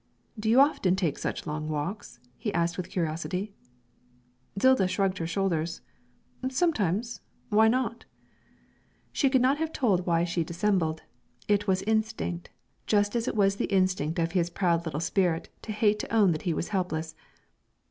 'Do you often take such long walks?' he asked with curiosity. Zilda shrugged her shoulders. 'Sometimes; why not?' She could not have told why she dissembled; it was instinct, just as it was the instinct of his proud little spirit to hate to own that he was helpless.